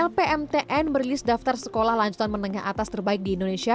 lpmtn merilis daftar sekolah lanjutan menengah atas terbaik di indonesia